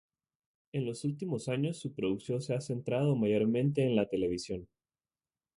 En los últimos años su producción se ha centrado mayormente en la televisión.